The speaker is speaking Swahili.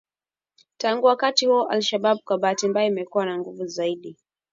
Tangu wakati huo al Shabab kwa bahati mbaya imekuwa na nguvu zaidi